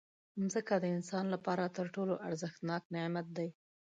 مځکه د انسان لپاره تر ټولو ارزښتناک نعمت دی.